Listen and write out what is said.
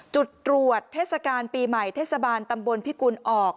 จุดตรวจเทศกาลปีใหม่เทศบาลตำบลพิกุลออก